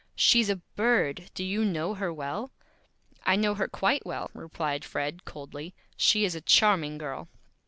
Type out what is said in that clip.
"She's a Bird. Do you know her well?" "I know her Quite Well," replied Fred, coldly. "She is a Charming Girl."